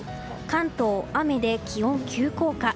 関東、雨で気温急降下。